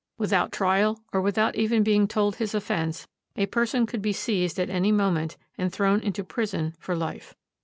Without trial or without even being told his offense, a person could be seized at any moment and thrown into prison for life.